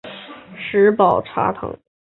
石宝茶藤